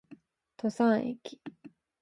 十三駅